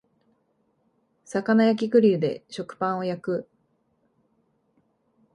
魚焼きグリルで食パンを焼く